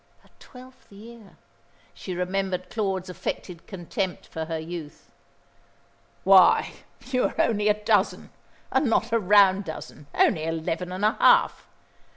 Her twelfth year? She remembered Claude's affected contempt for her youth. "Why, you are only a dozen and not a round dozen, only eleven and a half.